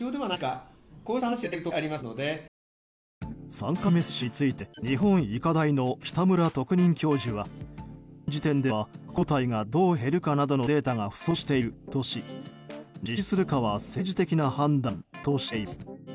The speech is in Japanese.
３回目接種について日本医科大の現時点では、中和抗体がどう減るかなどのデータが不足しているとし、実施するかは政治的な判断としています。